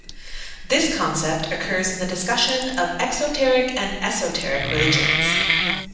This concept occurs in the discussion of exoteric and esoteric religions.